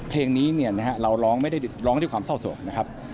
เพลงนี้เราร้องไม่ได้ร้องด้วยความเศร้าโสกนะครับ